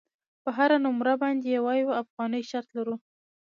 پر هره نمره باندې یوه یوه افغانۍ شرط لرو.